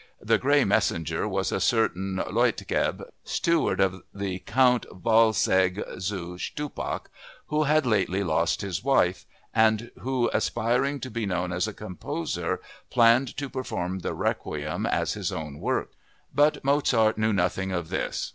The "gray messenger" was a certain Leutgeb, steward of the Count Walsegg zu Stuppach who had lately lost his wife and who, aspiring to be known as a composer, planned to perform the requiem as his own work. But Mozart knew nothing of this.